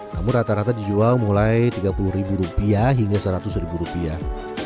namun rata rata dijual mulai tiga puluh ribu rupiah hingga seratus ribu rupiah